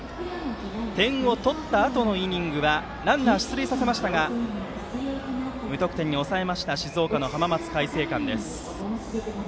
点を取ったあとのイニングはランナー出塁させましたが無得点に抑えました静岡の浜松開誠館です。